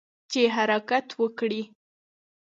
چې حرکت وکړي.